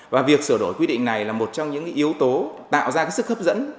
và việc sửa đổi quy định này là một trong những yếu tố tạo ra sức hấp dẫn